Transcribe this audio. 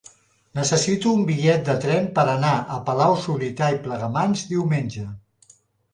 Necessito un bitllet de tren per anar a Palau-solità i Plegamans diumenge.